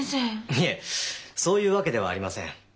いえそういうわけではありません。